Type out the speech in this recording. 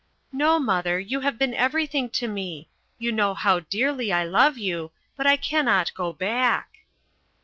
"No, mother, you have been everything to me. You know how dearly I love you. But I cannot go back."